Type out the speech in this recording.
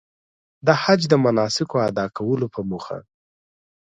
د حج د مناسکو ادا کولو په موخه.